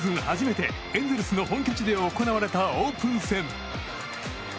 初めてエンゼルスの本拠地で行われたオープン戦。